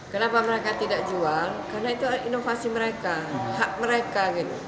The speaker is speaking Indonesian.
kenapa mereka tidak jual karena itu inovasi mereka hak mereka